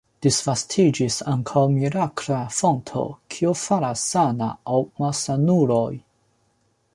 Disvastiĝis ankaŭ mirakla fonto, kiu faras sana la malsanulojn.